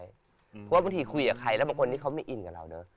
เพราะว่าบางทีคุยกับใครแล้วบางคนที่เขาไม่อินกับเราเนอะ